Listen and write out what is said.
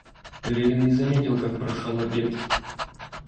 Левин не заметил, как прошел обед.